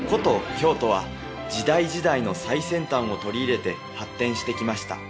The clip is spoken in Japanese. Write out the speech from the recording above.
京都は時代時代の最先端を取り入れて発展してきました